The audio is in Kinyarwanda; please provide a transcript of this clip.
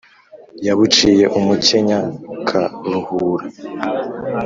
yabuciye umukenya karuhura ,